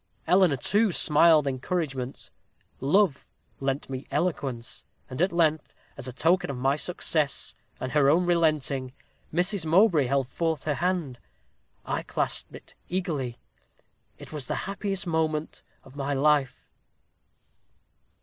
Eleanor, too, smiled encouragement. Love lent me eloquence; and at length, as a token of my success, and her own relenting, Mrs. Mowbray held forth her hand: I clasped it eagerly. It was the happiest moment of my life.